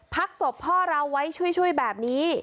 พักศพพ่อเราไว้ช่วยแบบนี้